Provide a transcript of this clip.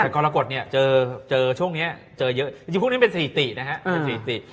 กรกฎเจอช่วงนี้เจอเยอะจริงพวกนี้เป็นสถิตินะครับ